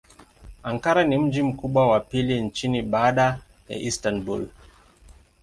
Ankara ni mji mkubwa wa pili nchini baada ya Istanbul.